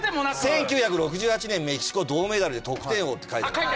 １９６８年メキシコ銅メダルで得点王って書いてあります。